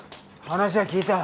話は聞いた。